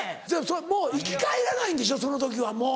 もう生き返らないんでしょその時はもう。